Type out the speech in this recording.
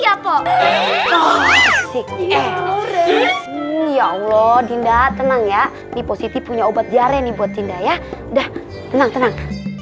ya pak ya allah dinda tenang ya di posisi punya obat diare nih buat cinda ya udah tenang tenang